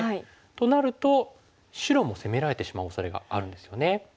となると白も攻められてしまうおそれがあるんですよね。